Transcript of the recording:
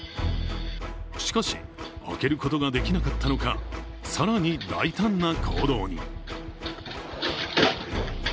しかし、開けることができなかったのか、更に、大胆な行動に。